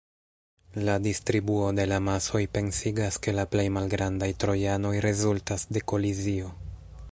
La distribuo de la masoj pensigas, ke la plej malgrandaj trojanoj rezultas de kolizio.